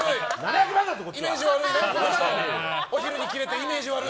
イメージ悪い！